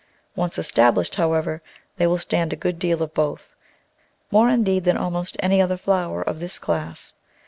Once established, how ever, they will stand a great deal of both — more, indeed, than almost any other flower of this class.